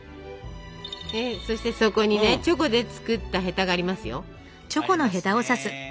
そしてそこにチョコで作ったヘタがありますよ。ありますね。